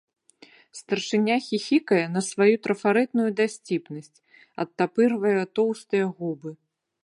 Старшыня хіхікае на сваю трафарэтную дасціпнасць, адтапырвае тоўстыя губы.